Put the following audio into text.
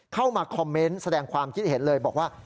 เข้ามาคอมเมนต์แสดงความคิดเห็นเลยบอกว่า